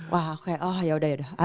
wah kayak oh yaudah yaudah